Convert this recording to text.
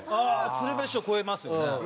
鶴瓶師匠超えますよね。